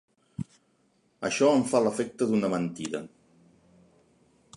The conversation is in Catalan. Això em fa l'efecte d'una mentida.